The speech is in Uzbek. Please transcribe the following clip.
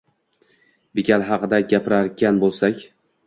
Bikal haqida gapiradigan boʻlsak